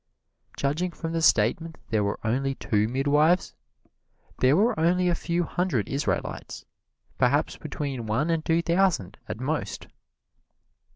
Judging from the statement that there were only two midwives, there were only a few hundred Israelites perhaps between one and two thousand, at most.